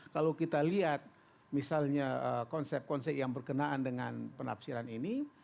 kalau kita lihat misalnya konsep konsep yang berkenaan dengan penafsiran ini